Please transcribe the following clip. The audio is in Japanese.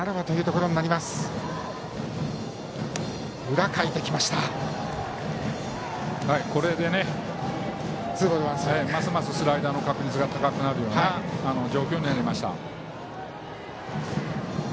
これでますますスライダーの確率が高くなる状況になりました。